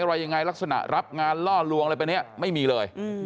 อะไรยังไงลักษณะรับงานล่อลวงอะไรไปเนี่ยไม่มีเลย